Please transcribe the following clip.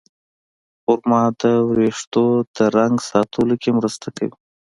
خرما د ویښتو د رنګ ساتلو کې مرسته کوي.